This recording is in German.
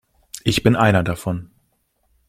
Ich bin einer davon.